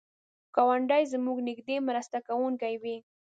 ګاونډی زموږ نږدې مرسته کوونکی وي